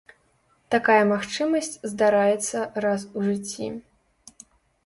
Такая магчымасць здараецца раз у жыцці.